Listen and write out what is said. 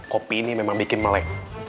kopi ini memang bikin melek